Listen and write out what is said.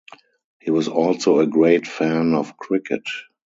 He was also a great fan of cricket.